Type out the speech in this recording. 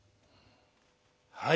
はい。